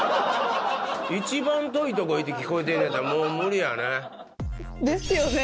一番遠いとこいて聞こえてんねんやったらもう無理やな。ですよね？